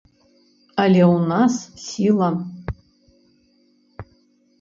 Але ў нас сіла.